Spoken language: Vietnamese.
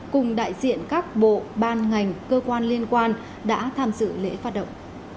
cùng đại diện các bộ ban ngành cơ quan liên quan đã tham dự lễ phát động